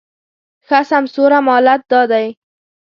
ښه سمسوره مالت دا دی